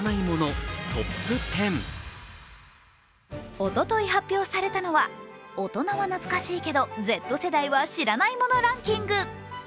おととい発表されたのは大人は懐かしいけどＺ世代は知らないものランキング。